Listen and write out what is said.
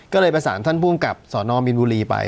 ก็เลยประสานท่านภูมิกับสนมินบุรีไป